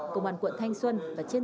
công an quận thanh xuân